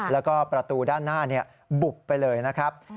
แล้วก็ประตูด้านหน้าบุบไปเลยนะครับ